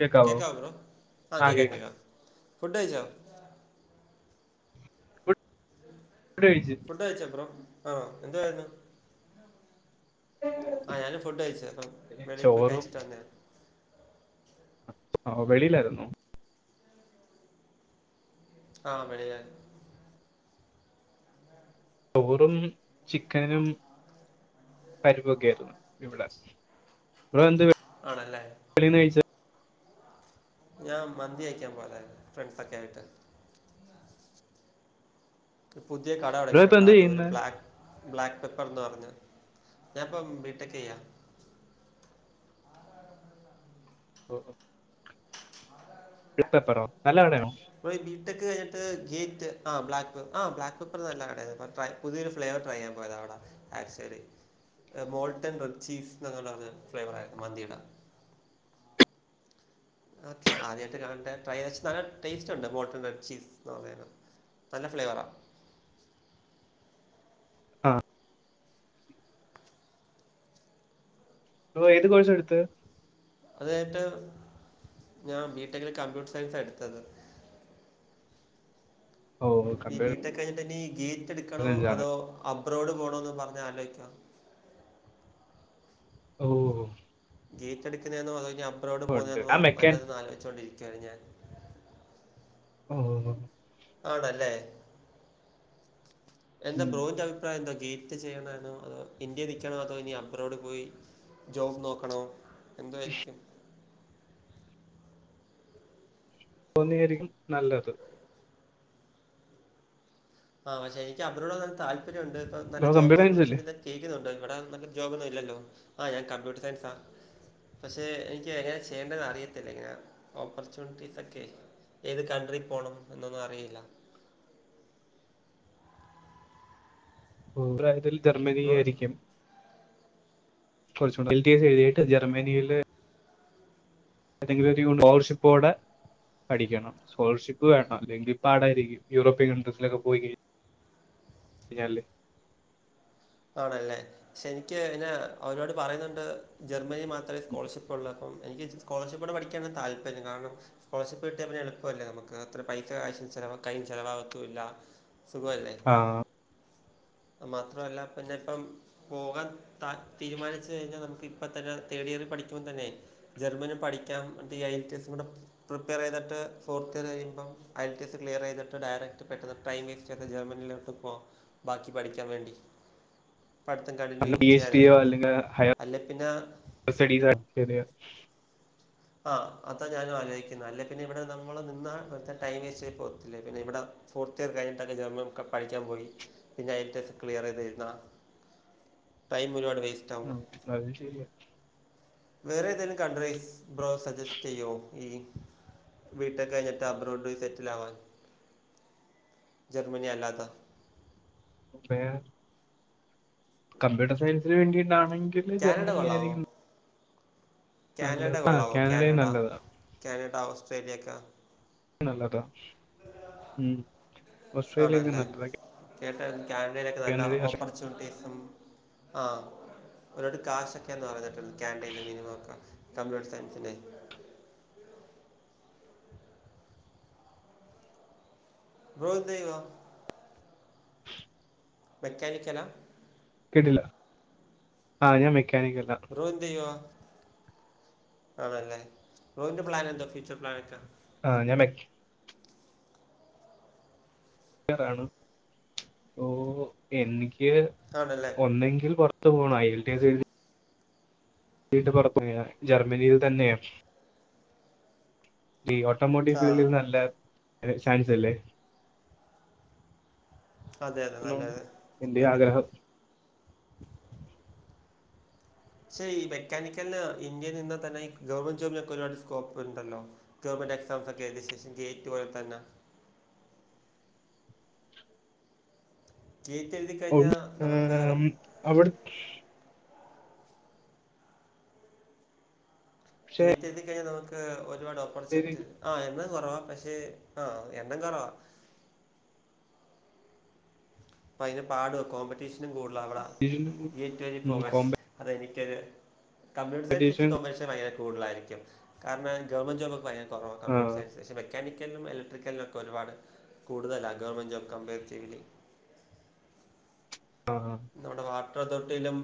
കേക്കാവോ കേക്കാവടോ ബ്രോ ആഹ് ആ കേക്കാ കേക്ക കേക്കാ ഫുഡ കഴിച്ചോ കഴിച്ചു ഫുഡ് കഴിച്ചോ ബ്രോ ആഹ് എന്തായിരുന്നു ആഹ് ഞാനും ഫുഡ് കഴിച്ചത് അപ്പം വെളിയിൽ പോയി ചോറും കഴിച്ചിട്ട് വന്നേ ഓഹ്‌ വെളിയിലായിരുന്നോ ആഹ് വെളിയിലായിരുന്നു ചോറും ചിക്കനും പരിപ്പൊക്കെ ആയിരുന്നു ഇവിടെ നിങ്ങള് എന്ത് ആണല്ലേ [unintelligible] കഴിച്ച ഞാൻ മന്തി കഴിക്കാൻ പോയതാർന്ന് ഫ്രെണ്ട്സോക്കെ ആയിട്ട് പുതിയ കട ബ്രോ ഇപ്പൊ തുടങ്ങിട്ടുണ്ട് എന്ത് അടൂർ ചെയ്യുന്നത് ബ്ലാ ബ്ലാക്ക് പെപ്പർന്ന് പറഞ്ഞു ഞാനിപ്പം ബിടെക്ക് ചെയ്യാ ഓ ഓഹ് [unintelligible] പെപ്പറോ നല്ല കടയാണോ [unintelligible] ഈ ബിടെക്ക് കഴിഞ്ഞിട്ട് ഗേറ്റ് ആ ബ്ലാക്ക് പെപ്പർ ആ ബ്ലാക്ക് പേപ്പർ നല്ല കടയാണ് പത്ത പുതിയൊരു ഫ്ലേവർ ട്രൈ ചെയ്യൻ പോയതാ ആടെ ആക്ച്വലി മോൾട്ടൻ റെഡ് ചീസ് എന്നുള്ളൊരു ഫ്ലേവർ ആയിരുന്നു മന്തിടെ ആ ആദ്യയിട്ട് കാണ് ണ്ടെ ട്രൈ ചെയ്ച്ച നല്ല ടേസ്റ്റ് ഉണ്ട് മോട്ടൺഡ് റെഡ് ചീസ്ന്ന് പറയ നല്ല ഫ്ലേവറാ ആഹ് ഓ ഏത് കോഴ്സാ എടുത്തെ അത് കഴിഞ്ഞിട്ട് ഞാൻ ബിടെക്കിൽ കമ്പ്യൂട്ടർ സയൻസാ എടുത്തത് ഓ ഈ ബി കമ്പ്യൂട്ടർ ടെക്ക് കഴിഞ്ഞിട്ട്നി ഗേറ്റ് എടുക്കണോ സയൻസ് ആണ് അതോ അബ്രോഡ് പോണോന്ന് പറഞ്ഞ് ആലോചിക്കാ ഓ ഓഹ് ഗേറ്റ് എടുക്കുന്നതെന്നോ അതോ അബ്റോഡ് ഉണ്ട് പോകുന്നതെന്നോ ആ മെക്കാൻ നല്ലതെന്ന് ആലോചിച്ചുകണ്ടിരിക്കുവണ് ഞാൻ ഓഹ് ആണല്ലേ എന്താ ഉം. ബ്രോൻ്റെ അ അഭിപ്രായം എന്താ ഗേറ്റ് ചെയ്യണോനോ അതോ ഇന്ത്യയിൽ നിൽക്കണോ അതോ ഇനി അബ്രോഡ് പോയി ജോബ് നോക്കണോ എന്തായിരിക്കും പോകുന്നെയായിരിക്കും നല്ലത് ആഹ് പക്ഷെ എനിക്ക് അബ്രോഡ് പോവാൻ താല്പര്യണ്ട് ഇപ്പ നല്ല ബ്രോ ജോബ് കമ്പ്യൂട്ടർ സയൻസ് അല്ലേ ഓപ്പർചുണിറ്റീ ജയിക്കുന്നുണ്ട് ഇവിടെ നല്ല ജോബോന്നും ഇല്ലല്ലോ ആ ഞാൻ കമ്പ്യൂട്ടർ സയൻസാ പക്ഷെ എനിക്ക് എങ്ങനെ ചെയ്യേണ്ടെന്ന് അറിയത്തില്ല ഇങ്ങനെ ഓപ്പർച്യൂണിറ്റീസൊക്കെ ഏത് കൺട്രിൽ പോണം എന്നൊന്നും അറിയില്ല [unintelligible] ജർമ്മനി ബ്രോ ആയിരിക്കും പോർച്ചു ഡീറ്റെയിൽസ് എഴുതിട്ട് ജർമ്മനിയില് ഏതെങ്കിലും ഒരു സ്കോളർഷിപ്പോടെ പഠിക്കണം സ്കോളർഷിപ്പ് വേണം ഇല്ലെങ്കി പടായിരിക്കും യൂറോപ്യൻ കൺട്രീസിലൊക്കെ പോയി കഴി [unintelligible] ആണല്ലേ പക്ഷെ എനിക്ക് ന്നെ അവരോട് പറയുന്നുണ്ട് ജർമ്മനിൽ മാത്രമേ സ്കോളർഷിപ്പ് ഒള്ളന്ന് പ്പം എനിക്ക് സ്കോളർഷിപ്പോടെ പഠിക്കാന താല്പര്യം കാരണം സ്കോളർഷിപ്പ് കിട്ടിയാ പിന്നെ എളുപ്പല്ലേ നമുക്ക് അത്ര പൈസ ക്യാഷ് ചെലവാ കൈ ചെലവാവത്തും ല്ല സുഖവല്ലേ ആഹ് അ മാത്രല്ല പിന്നെ ഇപ്പം പോകാൻ ത തീരുമാനിച്ച് കഴിഞ്ഞാൽ നമുക്ക് ഇപ്പം തന്നെ തേർഡ് ഇയറിൽ പഠിക്കുമ്പോൾ തന്നെയ് ജർമ്മനി പഠിക്കാം ദി എൽ ടി എസ് ന്ന് ടാ പ്രിപ്പയർ ചെയ്തിട്ട് ഫോർത്ത് ഇയർ കഴിയുമ്പം ഐൽ ടി എസ് ക്ലിയറെയ്തിട്ട് ഡയറക്റ്റ് പെട്ടെന്ന് ടൈം വേസ്റ്റ് ചെയ്ത് ജർമനിയിലോ പോവാം ബാക്കി പഠിക്കാൻ വേണ്ടി. പഠിത്തം കണ്ടിന്യൂ പി എച്ച് ചെയ്യാനായി ഡിയോ അല്ലെങ്കിൽ ഹയർ അല്ലേ പിന്ന [unintelligible] ആഹ് അതാ ഞാനും ആലോചിക്കുന്ന അല്ലെ പിന്നെ ഇവിടെ നമ്മള് നിന്നാ വേർതെ ടൈം വേസ്റ്റ് ആയി പോകത്തില്ലേ പിന്നെ ഇവിട ഫോർത്ത് ഇയർ കഴിഞ്ഞിട്ടൊക്കെ ജർമ്മൻ ഒക്കെ പഠിക്കാൻ പോയി പിന്നെ എൽ ടി എസ് ക്ലിയർ ചെയ്തിരുന്ന ടൈം ഒരുപാട് വേസ് ഉം അത് ശരിയ വേറെ ഏതേലും കൺട്രീസ് ബ്രോ സജസ്റ്റ് ചെയ്യോ ഈ ബിടെക് കഴിഞ്ഞിട്ട് അബ്രോഡ് സെറ്റിൽ ആവാൻ ജർമ്മനി അല്ലാത [unintelligible] കമ്പ്യൂട്ടർ സയൻസിന് വേണ്ടിയിട്ടാണെങ്കിൽ കാനഡ ജർമ്മനി കൊള്ളാവോ ആയിരിക്കും കാനഡ നല്ലത് ആ കൊള്ളാമോ കാനഡയും കാനഡ നല്ലതാ കാനഡ ഓസ്ട്രേലിയയൊക്കെ നല്ലതാ ഉം, ഓസ്ട്രേലിയയൊക്കെ ആണല്ലേ നല്ലതാ കേട്ടാരുന്നു കാനഡേലൊക്കെ നല്ല കാനഡ ഓസ്ട്രേ- ഓപ്പർച്യണിറ്റീസും ആ ഒരുപാട് കാശൊ [unintelligible] കാനഡയിൽ മിനിമം കമ്പ്യൂട്ടർ സയൻസിനേ ബ്രോ എന്ത് ചെയ്യുവാ [inaudible] മെക്കാനിക്കലാ കേട്ടില്ല ഞാൻ മെക്കാനിക്കലാ ബ്രോ എന്ത് ചെയ്യുവാ ആണല്ലേ ബ്രോയിന്റെ പ്ലാൻ എന്താ ഫ്യൂച്ചർ പ്ലാനൊക്കെ ആഹ് ഞാൻ മെക്ക് [unintelligible] എനിക്ക് ആണല്ലേ ഒന്നെങ്കിൽ പൊറ [unintelligible] [unintelligible] ജർമ്മനിയിൽ തന്നെയാ ഈ ഓട്ടോമോട്ടീവ് ആ ഫീൽഡ് നല്ല ചാൻസ് അല്ലേ അതെ അതെ ഹലോ നല്ലൊരു എന്റെ മേഖല ആഗ്രഹം പക്ഷേ ഈ മെക്കാനിക്കലിന് ഇന്ത്യയിൽ നിന്ന് തന്നെ ഗവൺമെന്റ് ജോബിനൊക്കെ ഒരുപാട് സ്കോപ്പ് ഉണ്ടല്ലോ ഗവൺമെന്റ് എക്സാംസ് ഒക്കെ എഴുതിയ ശേഷം ഗേറ്റ് പോലെ തന്നെ ഗേറ്റ്എഴുതി കഴിഞ്ഞാൽ ഉണ്ട് നമുക്ക് ആം, അവിടെ പക്ഷേ ഗേറ്റ് എഴുതിക്കഴിഞ്ഞാൽ നമുക്ക് ഒരുപാട് ഓപ്പർച്യൂണിറ്റുസ് ആഹ് എണ്ണം കുറവാ പക്ഷെ ആഹ് എണ്ണം കുറവാ അപ്പ അതിന് പാടുവാ കോമ്പറ്റീഷനും കൂടുതല അവിടെ [unintelligible] അതെ എനിക്കൊരു കമ്പ്യൂട്ടർ സയൻസ് വച്ച് കോമ്പറ്റീഷൻ കൊമേഴ് ഭയങ്കര കൂടുതായിരികും കാരണം ഗവൺമെന്റ് ജോബ്ക്കെ ഭയര കുറവ കമ്പ്യൂട്ടർ സയൻസ മെക്കാനിക്കലും ഇക്ട്രിക്കലിനും ഒക്കെ ഒരുപാട് കൂടുതല ഗവൺമെന്റ് ജോബ് കമ്പയറ്ചെയ്യൽ ആഹ് നമ്മടെ വാട്ടർ അതോറിറ്റിയിലും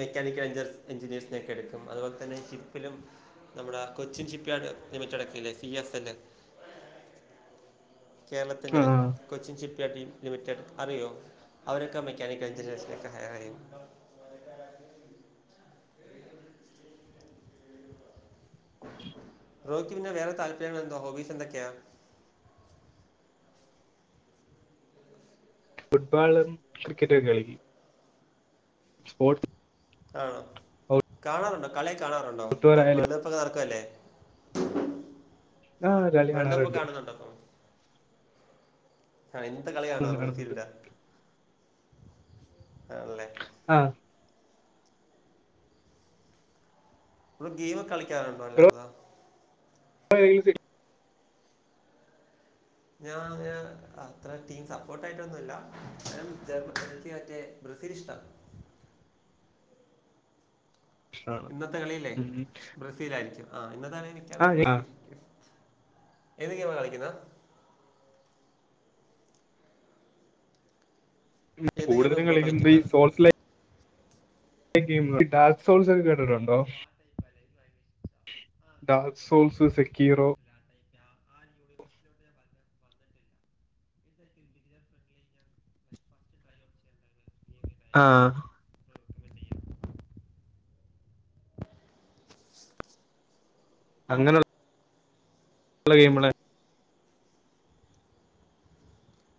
മെക്കാനിക്കൽ എഞ്ചസ് എഞ്ചിനേഴ്സിനൊക്കെ എടുക്കും അതുപോലെ തന്നെ ഷിപ്പിലും നമ്മുടെ കൊച്ചിൻ ഷിപ്പ്യാർഡ് ലിമിറ്റഡ് ഒക്കെയില്ലേ സി എസ് എല് [unintelligible] കേരളത്തിൻ്റെ കൊച്ചിൻ ഷിപ്പ്യാർഡ് ടീം ലിമിറ്റഡ് അറിയുമോ അവരൊക്കെ മെക്കാനിക്കൽ എഞ്ചിനീയേർസാ എത്ര നേരായി? [inaudible] ബ്രോയ്ക്കിന്നെ വേറെ താല്പര്യങ്ങള് എന്തുവാ ഹോബീസ് എന്തൊക്കെയാ ഫുട്ബോളും ക്രിക്കറ്റൊക്കെ കളിക്കും സ്പോർട്സ് ആഹ് കാണാറുണ്ടോ കളി കാണാറുണ്ടോ ഔട്ട്ഡോർ ആയാലും വെൾഡ്കപ്പ് നടക്കുവല്ലേ ആ കളി വേൾഡ്കപ്പ് കാണാറുണ്ട് കാണുന്നുണ്ടോപ്പൊ ആഹ് എന്ത് കളിയാണ് കാണുന്നുണ്ട്, കാണുന്നുണ്ട് ബ്രസീലിന്റെ ആണല്ലേ ആഹ് തീരെ കളിക്കാറുണ്ടോ അല്ലാ ബ്രോ താ [unintelligible] ഞാൻ അത്ര ടീം സപ്പോർട്ട് ആയിട്ടൊന്നുമില്ല ജർമ്മനി മറ്റേ ബ്രസീലിഷ്ടാ ഇഷ്ടമാണ് ഇന്നത്തെ കളിയല്ലേ ഉം. ബ്രസീല് ആയിരിക്കും ആഹ് ഇന്നത്തെ കളി ആ, മിക്കവാറും ഞാൻ- ആ, ബ്രസീൽ ആയിരിക്കും എതൊക്കെ അവര് കളിക്കുന്നെ ഏത് ഗെയിമാണ് കൂടുതലും ബ്രോ കളിക്കുന്നത് ഈ കളിക്കുന്ന സോൾസ് ലെ ഗെയിം ഡാർസോൾസ് ഒക്കെ കേട്ടിട്ടുണ്ടോ ഓ ആ ടൈപ്പ് അല്ല എനിക്ക് ഭയങ്കര ഇഷ്ടാ. ആ ഡാ കേട്ടിട്ടുണ്ട് പക്ഷെ സോൽസ് ഞാൻ അധികം സെക്കീറോ. [inaudible] വന്നിട്ടില്ല ഇതായിരിക്കും ബിഗിനർ ഫ്രണ്ട്ലി ഞാൻ ലൈക്ക് ഫസ്റ്റ് ട്രൈ ഔട്ട് ചെയ്യേണ്ടത് ഗെയിം ഇതായിരിക്കും ആഹ് റെക്കമെൻഡ് ചെയ്യാം അങ്ങനെഒ നല്ല ഗെയിംല്ലേ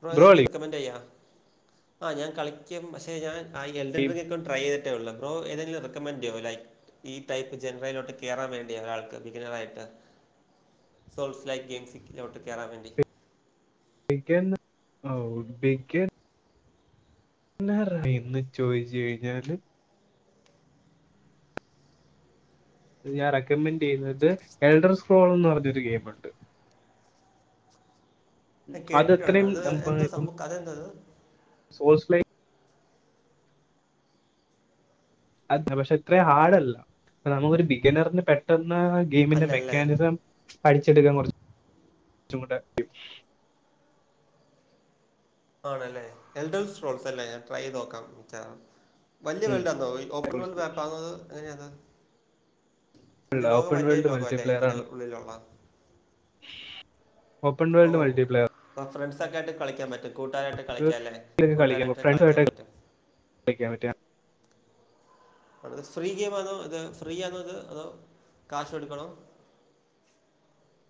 [unintelligible] ബ്രോ റെക്കമെന്റ് ചെയ്യാ. ആ ഞാൻ കളിക്കും പക്ഷെ ഞാൻ കളി ട്രൈ ചെയ്തിട്ടേയൊള്ളും. ബ്രോ ഏതെങ്കിലും റെക്കമൻ് ചെയ്യോ ലൈക്ക് ഈ ടൈപ്പ് ജനറയിലോട്ട് കേയറാൻ വേണ്ടിയ ഒരാൾക്ക് ബിഗിനറായിട്ട് സോൾസ് ലൈക്ക് ഗയിംസിലോട്ട് കേറാൻ വേണ്ടി. പിക്ക ബക്ക [unintelligible] പിറ [unintelligible] ഇന്ന് ചോദിച് കഴിഞ്ഞാല് ഞാൻ റെക്കമെന്റ് ചെയ്യുന്നത് എൽഡർ സ്ക്രോൾ എന്ന് പറഞ്ഞൊരു ഗെയിംമുണ്ട് കേട്ടിട്ടുണ്ട് അത് എന്തോ സംഭവം കഥയെന്തത്? സോസ് പ്ലേ അതെ പക്ഷെ ഇത്രയും ഹാർഡ്ല്ല നമുക്കൊരു ബിഗിനറിന് പെട്ടെന്ന് ഗെയിമിന്റെ അല്ലല്ലേ മെക്കാനിസം പഠിച്ചെടുക്കാൻ കുറച്ച് കൂടെ ആണല്ലേ. എൽഡർ സ്ക്രോൾസ് അല്ലേ ഞാൻ ട്രൈ ചെയ്ത് നോക്കാംട്ടാ വലിയ വേൾഡാന്നോ? ഈ ഓപ്പൺ വേൾഡ് മാപ്പ് ആന്നോ എങ്ങനെയാത് ഇതിൻ്റെ അല്ല ലോകം ഓപ്പൺ വലിയ വേൾഡ് ലോകം അല്ലേ മൾട്ടിപ്ലെയർ അതിൻ്റെ ആണ് ഉള്ളിലുള്ള ഓപ്പൺ ഓ വേൾഡ് മൾട്ടിപ്ലെയർ പോ ഫ്രണ്ട്സ ഒക്കെ ആയിട്ട് കളിക്കാൻ പറ്റും കൂട്ടുകാരായിട്ട് കളിക്കാലെ. കൂട്ടുകാരായിട്ട് കളിക്കാൻ പറ്റും അക്ക റ്റ [unintelligible] ത് ഫ്രീ ഗെയിം അതോ. ഇത് ഫ്രീ ആണോ ഇത് അതോ കാശ് കൊ ടുക്കണോ.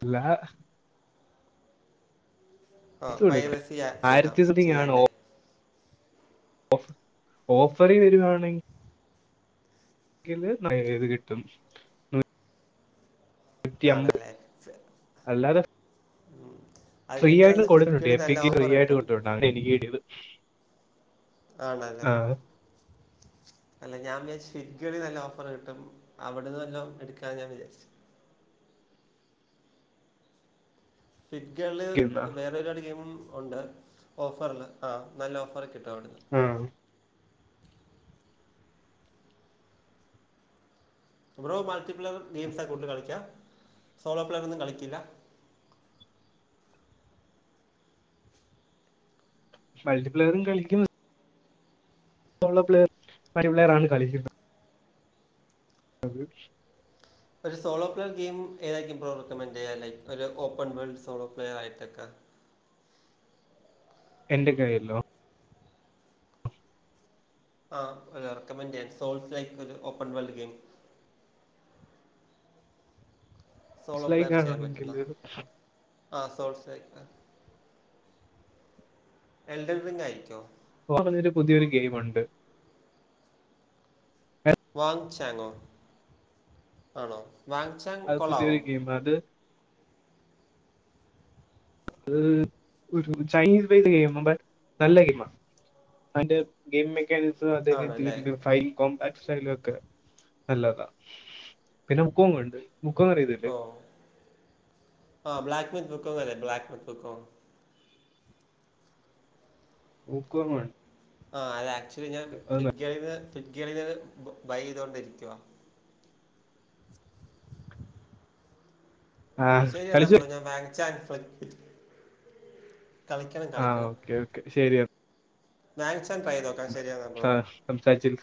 ഇല്ല പൈ കൊടുക്കണം സീ ചെയ്യ [unintelligible] ചെയ്താൽ ആയിരത്തി സംതിങ് ചെയ്യാല്ലേ ഓഫ ഓഫറി വരിവാണെങ്കി ക്ക് ളളത് [unintelligible] ത് കിട്ടും നൂറ്റി അമ്പത് ആണല്ലേ അല്ലാതെ ഉം. ഫ്രീ അതിനൊക്കെ നല്ല ആയിട്ട്ള്ളത് കൊട്ക്ക്ണുണ്ട് ഫിറ്റ്കളിൽ നല്ല എപ്പിക്ക് ഫ്രീ ഓഫർ ആയിട്ട് കിട്ടും കിട്ടുട്ടോ അങ്ങനെ എനിക്ക് കിട്ടീത് ആണല്ലേ അല്ല ഞാൻ സ്വിറ്റ്ഗള [unintelligible] നല്ല ഓഫറ് കിട്ടും അവിടെ നിന്ന് വാല്ലോം എടുകാന്ന് ഞാൻ വിചാരിച്ചു ഫിറ്റ്ഗേൾ വേറെ ഒരുപാട് ഗെയിമും ഒണ്ട് ഓഫറിൽ, ആ നല്ല ഓഫർ കിട്ടു അ മം ബ്രോ മൾട്ടിപ്ലെയർ ഗെയിംസാ കൂടുതൽ കളിക്യാ? സോളോ പ്ലെയർ ഒന്നും കളിക്കില്ല. മൾട്ടിപ്ലെയറും കളിക്കും സോളോ പ്ലയെർ മൾട്ടിപ്ലയെർ ആണ് കളിക്കുന്നത്. അ [inaudible] ഒരു സോളോ പ്ലെയർ ഗെയിം ഏതായിരിക്കും ബ്രോ റെക്കമെൻറ് ചെയ്യാം ലൈക്ക് ഒരു ഓപ്പൺ വേൾഡ് സോളോ പ്ലെയർ ആയിട്ടൊക്കെ. എന്റെ കൈയില്ലോ ആ റെക്കമെന്റ് ചെയ്യാൻ സൊളോ പ്ലയെർക് ല്ലൈക്ക് ഒരു ഓപ്പൺ വെൾഡ് ഗെയിം സോളോ [unintelligible] ആഹ് സോർസ് ആയി [unintelligible] എൽഡൻ റിങ് ആയിരിക്കോ [unintelligible] പുതിയൊരു ഗെയിംണ്ട് [unintelligible] വാങ് ചാങ്ങോ ആണോ വാങ്ച അത് പുതിയൊരു ഗെയിമാ അത് അത് ഒരു ചൈനീസ് വൈസ് ഗെയിം ബട്ട്‌ നല്ല ഗെയിംമാ അയിന്റെ ഗെയിം മെക്കാനിസം അതേ ആണല്ലേ രീതി ഫൈൽ കോമ്പാക് [unintelligible] ക്കെ നല്ലതാ പിന്നെ [unintelligible] [unintelligible] ക്കാന്നറിയില്ലേ ഓഹ് ആ ബ്ലാക്ക് മിത്ത് ബുക്ക് അല്ലെ ബ്ലാക്ക് മിത്ത് ബുക്കും ബുക്കും ആണ് ആ അത് ആക്ച്വലി ഞാൻ ഫിറ്റ് ഗൈഡ് നിന്ന് ഫിറ്റ് ഗൈഡ് ബൈ ചെയ്തുകൊണ്ടിരിക്കുവാ ആ ശരി എന്നാ കളിച്ചു ബ്രോ ഞാൻ വാ [unintelligible] കളിക്കണം ആ കളിക്കണം ഓക്കെ ഓക്കെ വാങ്ചാൻ ട്രൈ നോക്കാം ശരിയെന്നാ ബ്രോ ആന്ന് സംസാരിച്ച്